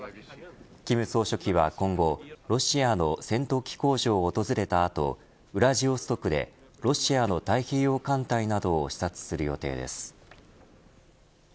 金総書記は今後ロシアの戦闘機工場を訪れた後ウラジオストクで、ロシアの太平洋艦隊などを視察する予定です。